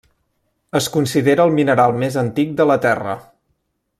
Es considera el mineral més antic de la Terra.